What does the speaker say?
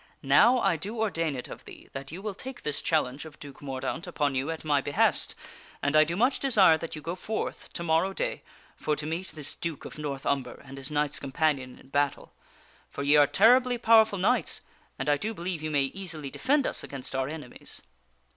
Now I do ordain it of thee that you will take this challenge of Duke Mordaunt upon you at my behest, and I do much desire that you go forth to morrow day for to meet this Duke of North Umber and his knights companion in battle. For ye are terribly powerful knights, and I do believe you may easily defend us against our enemies."